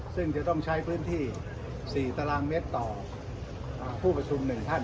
ซึ่งจะต้องใช้พื้นที่๔ตารางเมตรต่อผู้ประชุม๑ท่าน